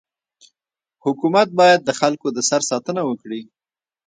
حکومت باید د خلکو د سر ساتنه وکړي.